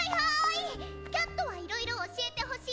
キャットはいろいろ教えてほしいでーす！